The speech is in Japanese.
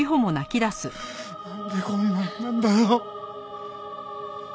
なんでこんななんだよ。